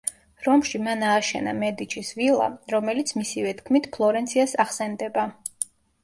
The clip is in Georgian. რომში მან ააშენა მედიჩის ვილა, რომელიც მისივე თქმით ფლორენციას ახსენდება.